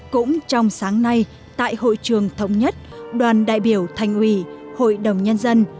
cũng trong sáng nay tại hội trường thống nhất đoàn đại biểu thành ủy hội đồng nhân dân